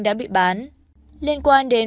đã bị bán liên quan đến